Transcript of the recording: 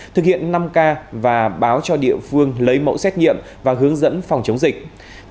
thực hiện năm k và báo cho địa phương lấy mẫu xét nghiệm và hướng dẫn phòng chống dịch